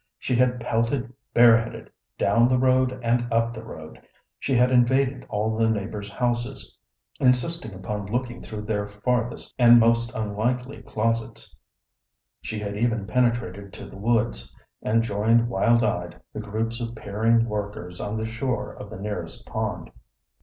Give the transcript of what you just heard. She had pelted bareheaded down the road and up the road; she had invaded all the neighbors' houses, insisting upon looking through their farthest and most unlikely closets; she had even penetrated to the woods, and joined wild eyed the groups of peering workers on the shore of the nearest pond.